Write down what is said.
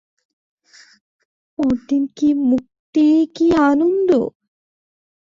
পরদিন কী মুক্তি, কী আনন্দ।